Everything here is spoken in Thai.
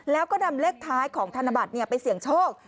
แล้วก็นำเลขท้ายของธนบัตรไปเสี่ยงโชค